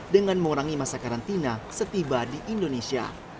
dengan mengurangi masa karantina setiba di indonesia